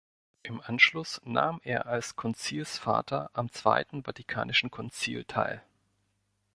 Im Anschluss nahm er als Konzilsvater am Zweiten Vatikanischen Konzil teil.